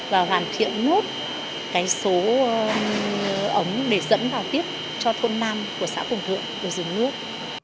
và hoàn thiện nước cái số ống để dẫn vào tiếp cho thôn nam của xã phùng thượng để dùng nước